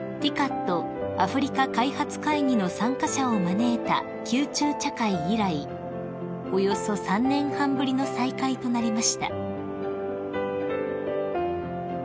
アフリカ開発会議の参加者を招いた宮中茶会以来およそ３年半ぶりの再会となりました］